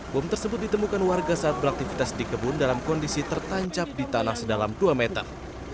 bom tersebut ditemukan warga saat beraktivitas di kebun dalam kondisi tertancap di tanah sedalam dua meter